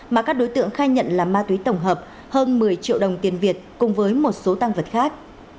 mà các đối tượng khai nhận là ma túy tổng hợp hơn một mươi triệu đồng tiền việt cùng với một số tăng vật khác